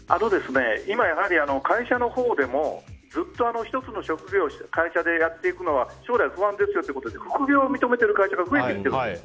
今、会社のほうでもずっと１つの職業会社でやっていくのは将来不安ですよというので副業を認めてる会社が増えてきています。